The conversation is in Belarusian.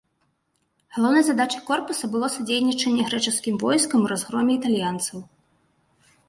Галоўнай задачай корпуса было садзейнічанне грэчаскім войскам у разгроме італьянцаў.